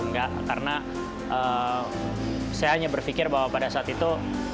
enggak karena saya hanya berpikir bahwa pada saat itu